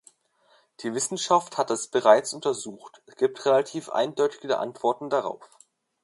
Die Wissenschaft hat das bereits untersucht, gibt relativ eindeutige Antworten darauf.